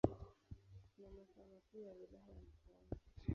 na makao makuu ya Wilaya ya Mkoani.